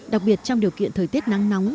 đặc biệt trong điều kiện thời tiết nắng nóng